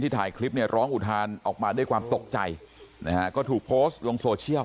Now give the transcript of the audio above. ถ่ายคลิปเนี่ยร้องอุทานออกมาด้วยความตกใจนะฮะก็ถูกโพสต์ลงโซเชียล